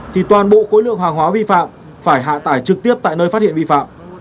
thì toàn bộ khối lượng hàng hóa vi phạm phải hạ tải trực tiếp tại nơi phát hiện vi phạm